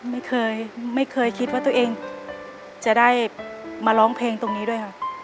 ไม่เคยไม่เคยคิดว่าตัวเองจะได้มาร้องเพลงตรงนี้ด้วยค่ะ